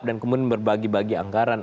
dan kemudian berbagi bagi anggaran